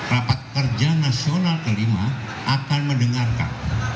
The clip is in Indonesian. rapat kerja nasional ke lima akan mendengarkan